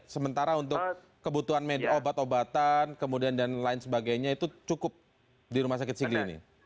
sementara untuk kebutuhan obat obatan kemudian dan lain sebagainya itu cukup di rumah sakit sigli ini